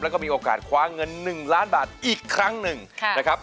แล้วก็มีโอกาสคว้าเงิน๑ล้านบาทอีกครั้งหนึ่งนะครับ